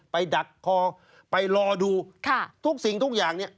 ดักคอไปรอดูค่ะทุกสิ่งทุกอย่างเนี่ย